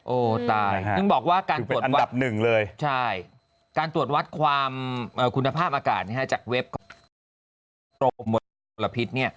โอ้ตายนึกบอกว่าการตรวจวัดความคุณภาพอากาศจากเว็บของโมรพิษ